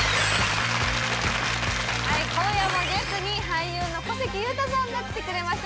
今夜もゲストに俳優の小関裕太さんが来てくれました